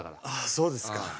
ああそうですか。